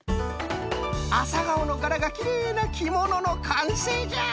アサガオのがらがきれいなきもののかんせいじゃ！